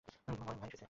তোমার ভাই এসেছে।